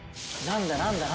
何だ？